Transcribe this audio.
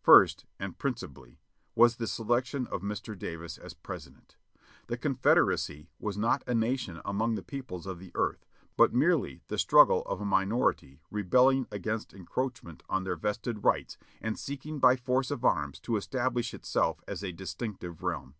First, and principally, was the selection of Mr. Davis as Presi dent. The Confederacy was not a nation among the peoples of the earth, but merely the struggle of a minority rebelling against encroachment on their vested rights, and seeking by force of arms to establish itself as a distinctive realm.